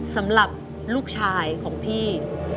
สำหรับลูกชายของพี่